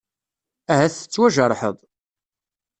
Ahat tettwajerḥeḍ?